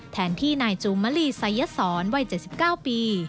แทนที่นายจูมลีไซสรวัย๗๙ปี